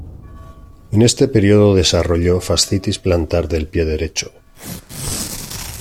En este periodo desarrolló fascitis plantar en el pie derecho.